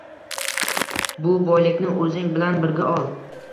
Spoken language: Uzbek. Bu boylikni o’zing bilan birga ol.